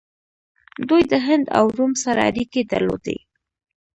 دوی د هند او روم سره اړیکې درلودې